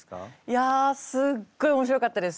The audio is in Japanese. いやすっごい面白かったです。